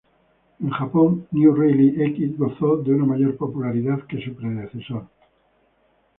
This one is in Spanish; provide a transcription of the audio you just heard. En Japón, "New Rally X" gozó de una mayor popularidad que su predecesor.